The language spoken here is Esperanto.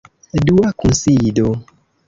Dua kunsido.